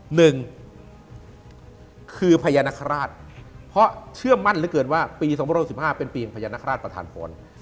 หนึ่งคือพญานาคาราชเพราะเชื่อมั่นเหลือเกินว่าปี๒๐๑๕เป็นปีพญานาคาราชประธานพร